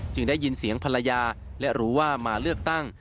ได้ยินเสียงภรรยาและรู้ว่ามาเลือกตั้ง